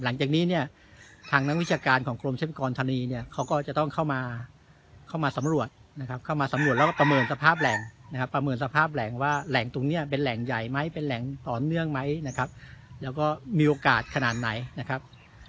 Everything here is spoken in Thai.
หลังจากนี้เนี่ยทางนักวิชาการของกรมทรัพยากรธนีเนี่ยเขาก็จะต้องเข้ามาเข้ามาสำรวจนะครับเข้ามาสำรวจแล้วก็ประเมินสภาพแหล่งนะครับประเมินสภาพแหล่งว่าแหล่งตรงเนี้ยเป็นแหล่งใหญ่ไหมเป็นแหล่งต่อเนื่องไหมนะครับแล้วก็มีโอกาสขนาดไหนนะครับ